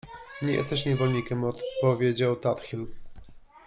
— Nie jesteś niewolnikiem — odpowiedział Tadhil.